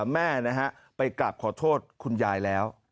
แม่นะฮะไปกลับขอโทษคุณยายแล้ว